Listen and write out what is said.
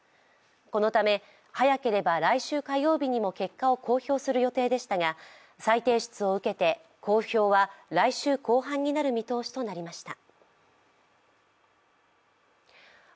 このため、早ければ来週火曜日にも結果を公表する予定でしたが再提出を受けて公表は来週後半になる見通しとなりました。